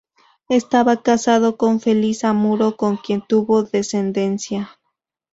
Estaba casado con Felisa Muro, con quien tuvo descendencia.